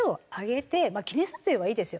まあ記念撮影はいいですよ。